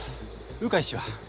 鵜飼氏は？